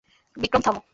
বিক্রম, থামো!